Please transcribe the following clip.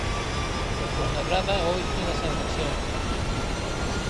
O Fuenlabrada a oito da salvación.